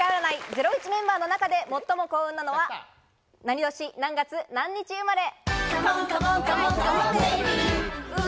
ゼロイチメンバーの中で最も幸運なのは何年、何月、何日生まれ？